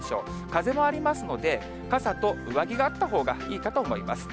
風もありますので、傘と上着があったほうがいいかと思います。